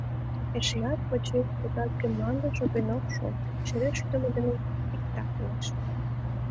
Эшеат почеш кодат гын, мланде шопен ок шу, шереш ӱдымӧ дене иктак лиеш.